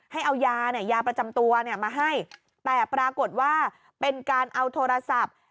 ให้เอายาเนี่ยยาประจำตัวมาให้แต่ปรากฏว่าเป็นการเอาโทรศัพท์